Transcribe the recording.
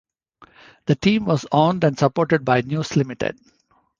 The team was owned and supported by News Limited.